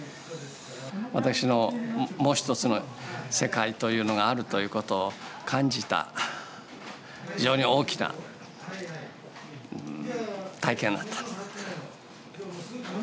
私のもう一つの世界というのがあるということを感じた非常に大きな体験だった。